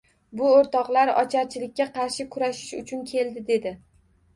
— Bu o‘rtoqlar ocharchilikka qarshi kurashish uchun keldi! — dedi.